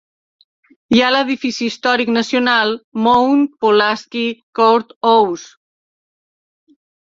Hi ha l'edifici històric nacional Mount Pulaski Courthouse.